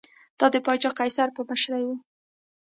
دا د پاچا قیصر په مشرۍ و